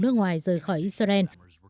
nước ngoài rời khỏi israel